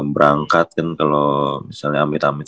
berangkat kan kalau misalnya ambil tamuan gitu kan